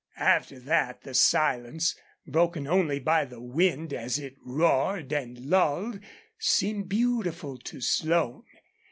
After that the silence, broken only by the wind as it roared and lulled, seemed beautiful to Slone.